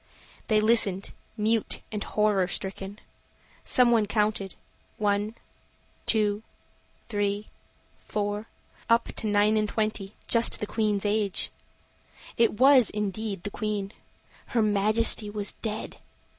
They listened, mute and horror stricken. Some one counted: one two three four up to nine and twenty just the Queen's age. It was, indeed, the Queen. Her Majesty was dead!